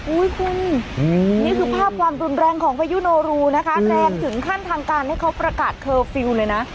คุณนี่คือภาพความรุนแรงของพายุโนรูนะคะแรงถึงขั้นทางการให้เขาประกาศเคอร์ฟิลล์เลยนะ